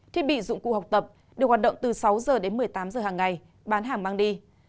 thiết bị dụng cụ học tập được hoạt động từ sáu h đến một mươi tám giờ hàng ngày bán hàng mang đi